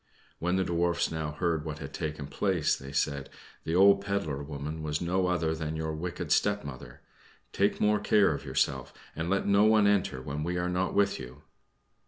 When the Dwarfs now heard what had taken place, they said, "The old pedler woman was no other than your wicked stepmother. Take more care of yourself, and let no one enter when we are not with you."